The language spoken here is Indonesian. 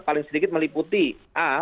paling sedikit meliputi a